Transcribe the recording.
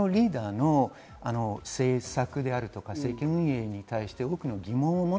そのリーダーの政策であるとか、政権運営に対して多くの疑問を持